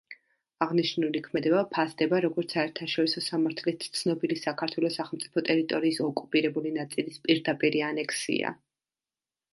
აღნიშნული ქმედება ფასდება, როგორც საერთაშორისო სამართლით ცნობილი საქართველოს სახელმწიფო ტერიტორიის ოკუპირებული ნაწილის პირდაპირი ანექსია.